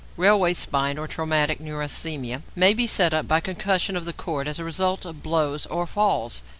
Railway spine, or traumatic neurasthenia, may be set up by concussion of the cord as a result of blows or falls.